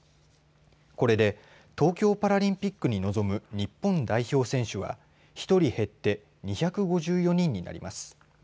これで東京パラリンピックに臨む日本代表選手は１人減って２５４人になります。